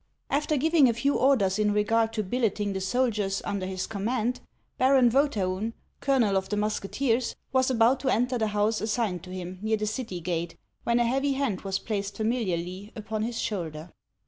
After giving a few orders in regard to billeting the sol diers under his command, Baron Vcethaim, colonel of the musketeers, was about to enter the house assigned to him, near the city gate, when a heavy hand was placed famil iarly upon his shoulder.